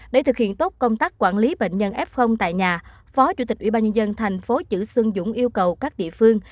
để thực hiện tốt công tác quản lý bệnh nhân f tại nhà phó chủ tịch ubnd tp chư xuân dũng yêu cầu các địa phương